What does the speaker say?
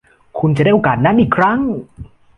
คุณจะได้โอกาสนั้นอีกครั้ง